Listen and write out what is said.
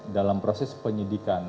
dalam proses penyidikan